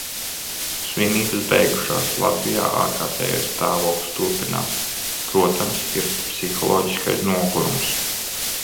Svinības beigušās, Latvijā ārkārtējais stāvoklis turpinās. Protams, ir psiholoģiskais nogurums.